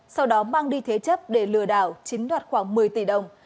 sau đó mang đi thế chấp để lừa đảo chiếm đoạt khoảng một mươi tỷ đồng